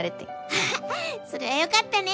ハハそれはよかったね。